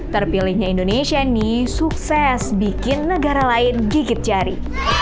terpilihnya indonesia nih sukses bikin negara lain gigit jari